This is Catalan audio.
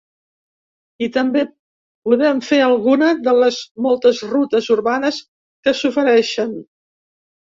I també podem fer alguna de les moltes rutes urbanes que s’ofereixen.